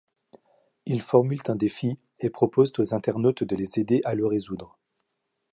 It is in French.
Ils formulent un défi et proposent aux internautes de les aider à le résoudre.